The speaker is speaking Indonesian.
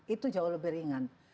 itu jauh lebih ringan